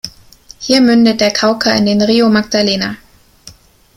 Hier mündet der Cauca in den Río Magdalena.